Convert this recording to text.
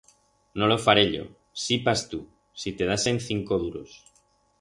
No lo faré yo. Sí pas tu, si te dasen cinco duros.